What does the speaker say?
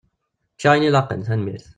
Ččiɣ ayen ilaqen, tanemmirt.